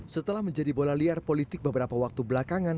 setelah menjadi bola liar politik beberapa waktu belakangan